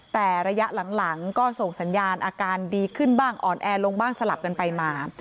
แต่ระยะหลังก็ส่งสัญญาณอาการดีขึ้นบ้างอ่อนแอลงบ้างสลับกันไปมา